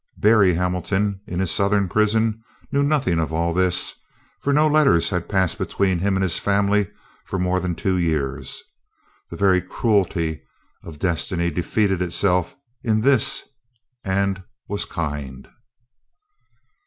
Berry Hamilton in his Southern prison knew nothing of all this, for no letters had passed between him and his family for more than two years. The very cruelty of destiny defeated itself in this and was kind.